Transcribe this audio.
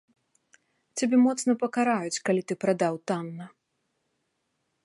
Цябе моцна пакараюць, калі ты прадаў танна.